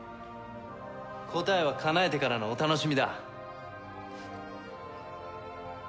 答えはかなえてからのお楽しみだ。